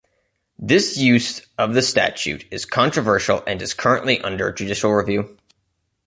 This use of the statute is controversial and is currently under judicial review.